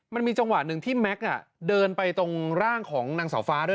มันมีจังหวะหนึ่งที่แม็กซ์เดินไปตรงร่างของนางสาวฟ้าด้วย